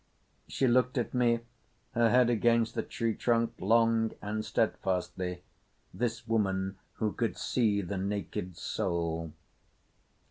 She looked at me, her head against the tree trunk—long and steadfastly—this woman who could see the naked soul.